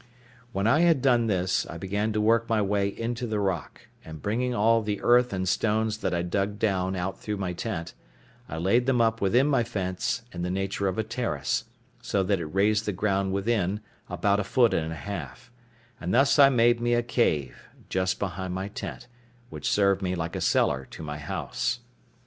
When I had done this, I began to work my way into the rock, and bringing all the earth and stones that I dug down out through my tent, I laid them up within my fence, in the nature of a terrace, so that it raised the ground within about a foot and a half; and thus I made me a cave, just behind my tent, which served me like a cellar to my house.